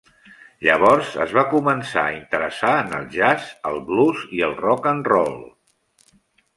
Llavors es va començar a interessar en el jazz, el blues i el rock and roll.